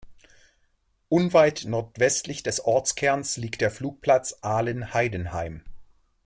Unweit nordwestlich des Ortskerns liegt der Flugplatz Aalen-Heidenheim.